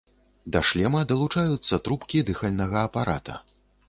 Да шлема далучаюцца трубкі дыхальнага апарата.